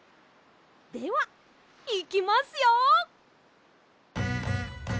ではいきますよ。